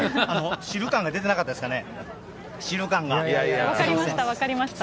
汁感が出てなかったですかね、汁いやいや。